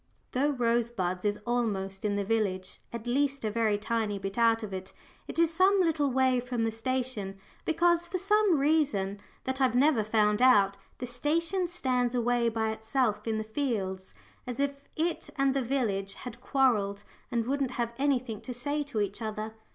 Though Rosebuds is almost in the village at least, a very tiny bit out of it it is some little way from the station, because for some reason that I've never found out, the station stands away by itself in the fields, as if it and the village had quarrelled and wouldn't have anything to say to each other.